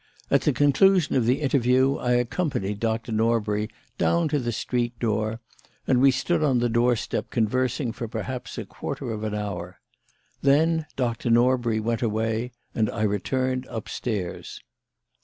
At the conclusion of the interview I accompanied Doctor Norbury down to the street door, and we stood on the doorstep conversing for perhaps a quarter of an hour. Then Doctor Norbury went away and I returned upstairs.